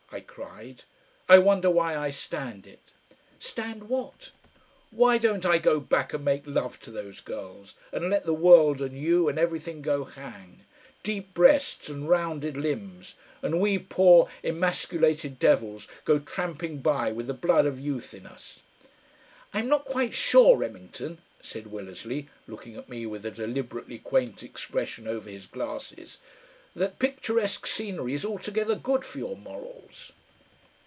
I cried. "I wonder why I stand it!" "Stand what?" "Why don't I go back and make love to those girls and let the world and you and everything go hang? Deep breasts and rounded limbs and we poor emasculated devils go tramping by with the blood of youth in us!..." "I'm not quite sure, Remington," said Willersley, looking at me with a deliberately quaint expression over his glasses, "that picturesque scenery is altogether good for your morals."